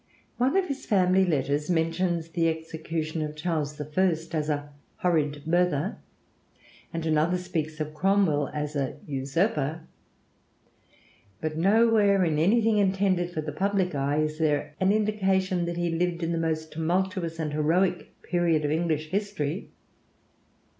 One of his family letters mentions the execution of Charles I. as a "horrid murther," and another speaks of Cromwell as a usurper; but nowhere in anything intended for the public eye is there an indication that he lived in the most tumultuous and heroic period of English history.